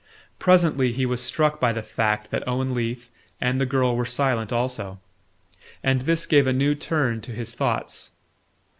Presently he was struck by the fact that Owen Leath and the girl were silent also; and this gave a new turn to his thoughts.